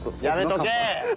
やめとけ！